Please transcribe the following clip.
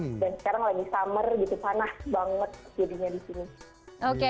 dan sekarang lagi summer gitu panah banget jadinya di sini